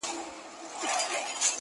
نن هغه غشي د خور ټيكري پېيلي٫